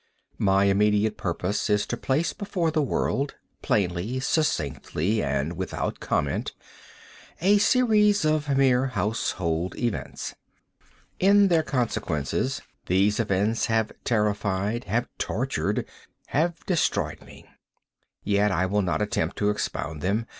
My immediate purpose is to place before the world, plainly, succinctly, and without comment, a series of mere household events. In their consequences, these events have terrified—have tortured—have destroyed me. Yet I will not attempt to expound them.